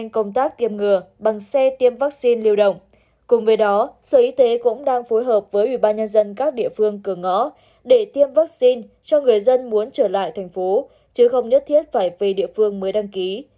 cùng với đó sở y tế cũng đang phối hợp với ubnd các địa phương cửa ngõ để tiêm vaccine cho người dân muốn trở lại thành phố chứ không nhất thiết phải về địa phương mới đăng ký